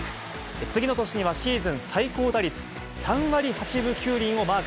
次の年にはシーズン最高打率３割８分９厘をマーク。